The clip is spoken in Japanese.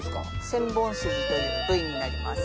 千本筋という部位になります。